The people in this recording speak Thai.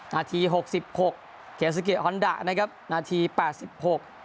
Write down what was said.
หกสิบหกเกซูเกะฮอนดานะครับนาทีแปดสิบหก